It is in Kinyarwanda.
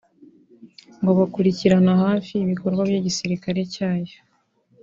ngo bakurikiranira hafi ibikorwa by’igisirikare cyayo